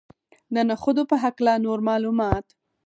د نخودو په هکله نور معلومات.